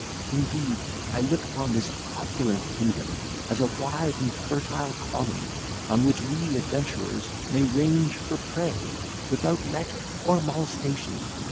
Indeed, I look upon this opulent kingdom as a wide and fertile common, on which we adventurers may range for prey, without let or molestation.